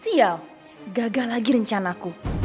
sial gagal lagi rencanaku